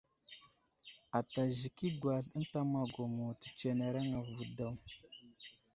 Ata zik i agwazl ənta magwamo tətsenereŋ avo daw.